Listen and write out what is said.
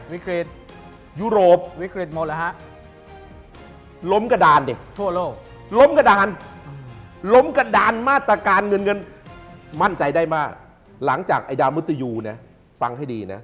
วิกฤตยุโรปวิกฤตหมดหรือฮะ